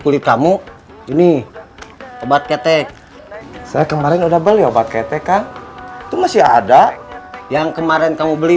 kulit kamu ini obat ketek saya kemarin udah beli obat ketek kan itu masih ada yang kemarin kamu beli